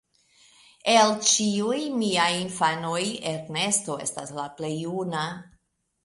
El ĉiuj miaj infanoj Ernesto estas la plej juna.